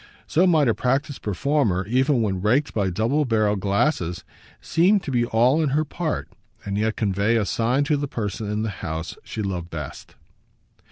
So might a practised performer, even when raked by double barrelled glasses, seem to be all in her part and yet convey a sign to the person in the house she loved best.